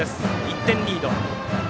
１点リード。